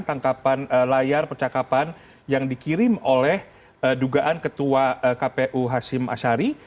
tangkapan layar percakapan yang dikirim oleh dugaan ketua kpu hashim ashari